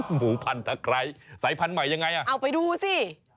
หมูพันตะไคร้สายพันธุ์ใหม่ยังไงอ่ะเอาไปดูสิ